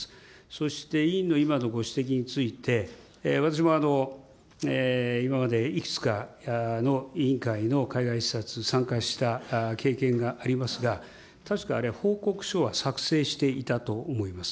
そして委員の今のご指摘について、私も今まで、いくつかの委員会の海外視察、参加した経験がありますが、確かあれ、報告書は作成していたと思います。